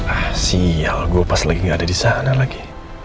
ah sial gue pas lagi gak ada disana lagi